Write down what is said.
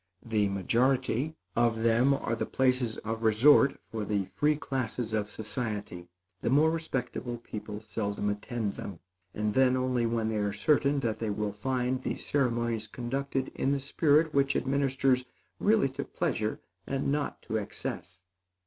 The majority of them are the places of resort for the free classes of society. The more respectable people seldom attend them, and then only when they are certain that they will find the ceremonies conducted in the spirit which administers really to pleasure and not to excess.